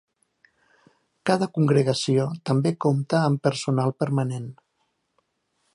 Cada congregació també compta amb personal permanent.